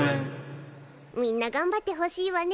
みんながんばってほしいわね。